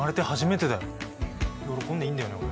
喜んでいいんだよね俺。